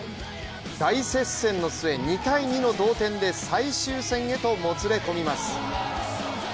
大接戦の末、２−２の同点で最終戦へともつれ込みます。